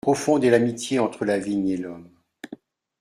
Profonde est l'amitié entre la vigne et l'homme.